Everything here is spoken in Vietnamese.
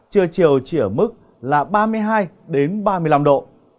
trưa chiều chỉ ở mức là ba mươi hai ba mươi năm độ